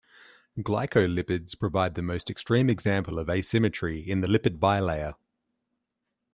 Glycolipids provide the most extreme example of asymmetry in the lipid bilayer.